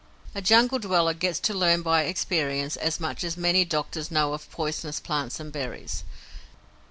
A Jungle dweller gets to learn by experience as much as many doctors know of poisonous plants and berries.